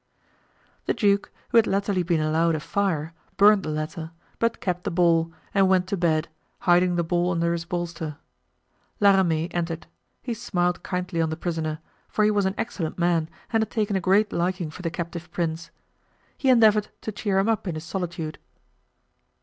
The duke, who had latterly been allowed a fire, burned the letter, but kept the ball, and went to bed, hiding the ball under his bolster. La Ramee entered; he smiled kindly on the prisoner, for he was an excellent man and had taken a great liking for the captive prince. He endeavored to cheer him up in his solitude.